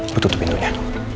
gue tutup pintunya